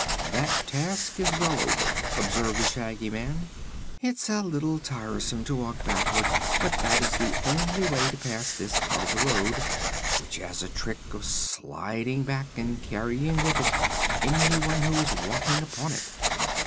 "That task is well over," observed the Shaggy Man. "It's a little tiresome to walk backward, but that is the only way to pass this part of the road, which has a trick of sliding back and carrying with it anyone who is walking upon it."